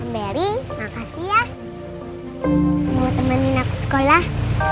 mary makasih ya mau temenin aku sekolah